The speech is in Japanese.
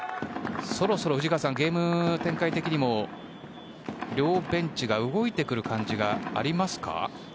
そろそろ藤川さんゲーム展開的にも両ベンチが動いてくる感じがありますか？